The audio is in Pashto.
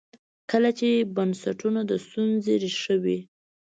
کله چې بنسټونه د ستونزې ریښه وي.